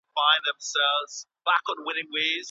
د اسلامي شريعت احکامو ته بايد پوره درناوی وکړئ.